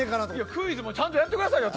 クイズもちゃんとやってくださいよ